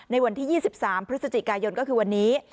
ในวันที่๒๓พฤศจิกายนก็คือวันนี้